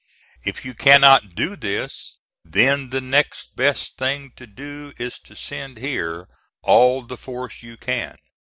If you cannot do this, then the next best thing to do is to send here all the force you can.